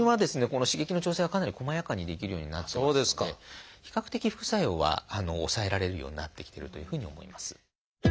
この刺激の調整がかなりこまやかにできるようになっていますので比較的副作用は抑えられるようになってきてるというふうに思います。